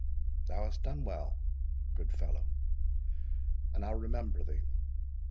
"Thou hast done well, good fellow, and I will remember thee.